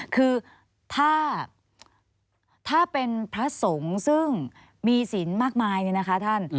คือถ้าเป็นพระสงฆ์ซึ่งมีศิลป์มากมายเนี่ยนะคะท่าน